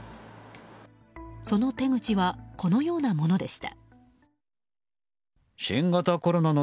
その手口はこのようなものでした。